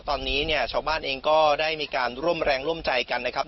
ตอนนี้เนี่ยชาวบ้านเองก็ได้มีการร่วมแรงร่วมใจกันนะครับ